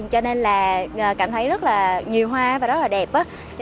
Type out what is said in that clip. cho nên cảm thấy rất nhiều hoa và rất đẹp